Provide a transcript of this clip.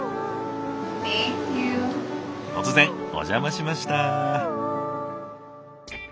突然お邪魔しました。